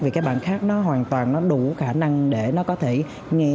vì các bạn khác nó hoàn toàn nó đủ khả năng để nó có thể nghe